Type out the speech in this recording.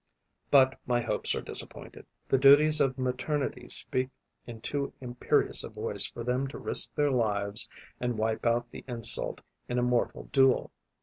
But my hopes are disappointed: the duties of maternity speak in too imperious a voice for them to risk their lives and wipe out the insult in a mortal duel.